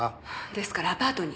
ですからアパートに。